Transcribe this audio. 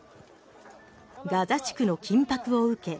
ガザ地区の緊迫を受け